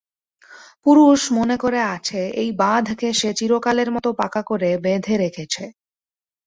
পুরুষ মনে করে আছে, এই বাঁধকে সে চিরকালের মতো পাকা করে বেঁধে রেখেছে।